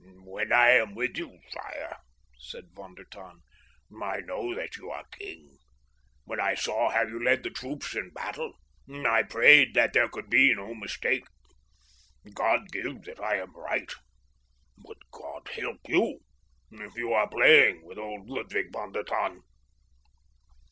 "When I am with you, sire," said Von der Tann, "I know that you are king. When I saw how you led the troops in battle, I prayed that there could be no mistake. God give that I am right. But God help you if you are playing with old Ludwig von der Tann."